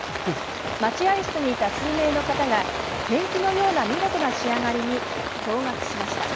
待合室にいた数名の方がペンキのような見事な仕上がりに驚がくしました。